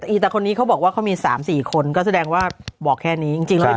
อีตาคนนี้เขาบอกว่าเขามี๓๔คนก็แสดงว่าบอกแค่นี้